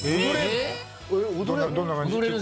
どんな感じ？